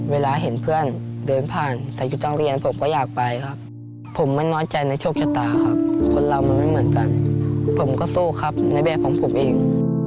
เวลาเห็นเพื่อนเดินผ่านใส่ชุดต้องเรียนผมก็อยากไปครับผมไม่น้อยใจในโชคชะตาครับคนเรามันไม่เหมือนกันผมก็สู้ครับในแบบของผมเอง